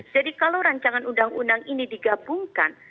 jadi kalau rancangan undang undang ini digabungkan